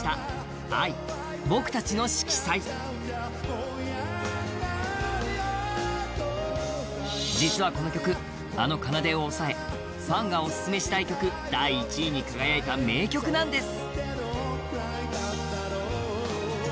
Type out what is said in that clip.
そんな彼らが恋愛の成功率はね実はこの曲あの「奏」を抑えファンがオススメしたい曲第１位に輝いた名曲なんです